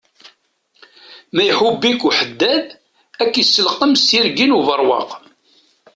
Ma iḥubb-ik uḥeddad, ak iselqem s tirgin ubeṛwaq.